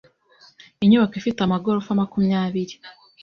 Inyubako ifite amagorofa makumyabiri.